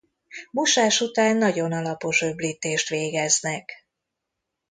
Mosás után nagyon alapos öblítést végeznek.